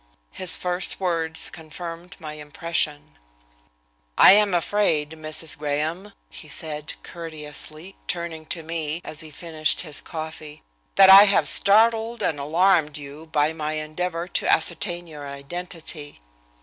His first words confirmed my impression: "I am afraid, Mrs. Graham," he said, courteously, turning to me, as he finished his coffee, "that I have startled and alarmed you by my endeavor to ascertain your identity."